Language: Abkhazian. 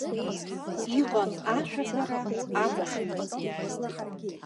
Иҟан ашәаҳәара, акәашара.